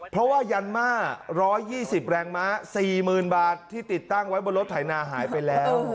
เพราะว่ายันม่า๑๒๐แรงม้า๔๐๐๐บาทที่ติดตั้งไว้บนรถไถนาหายไปแล้ว